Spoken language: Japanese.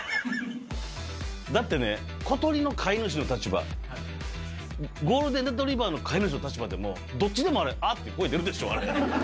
だってね、小鳥の飼い主の立場、ゴールデンレトリバーの飼い主の立場でも、どっちでもあれ、あって声出るでしょ。